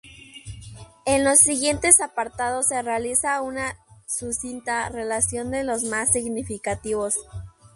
En los siguientes apartados se realiza una sucinta relación de los más significativos.